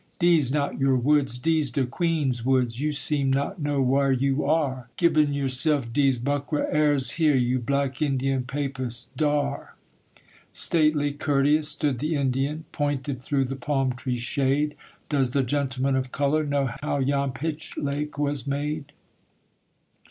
'Dese not your woods; dese de Queen's woods: You seem not know whar you ar, Gibbin' yuself dese buckra airs here, You black Indian Papist! Dar!' Stately, courteous, stood the Indian; Pointed through the palm tree shade: 'Does the gentleman of colour Know how yon Pitch Lake was made?'